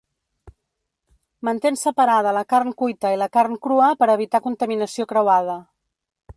Mantén separada la carn cuita i la carn crua per evitar contaminació creuada.